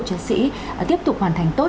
chiến sĩ tiếp tục hoàn thành tốt